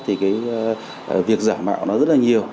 thì cái việc giả mạo nó rất là nhiều